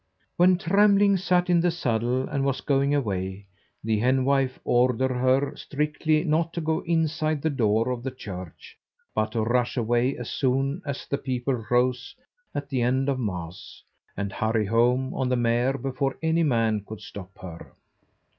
When Trembling sat in the saddle and was going away, the henwife ordered her strictly not to go inside the door of the church, but to rush away as soon as the people rose at the end of Mass, and hurry home on the mare before any man could stop her.